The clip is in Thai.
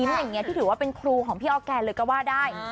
การยิ้มอย่างเงี้ยคือถือว่าเป็นครูของพี่ออกแกนเลยก็ว่าได้